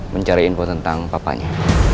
mencari info tentang papanya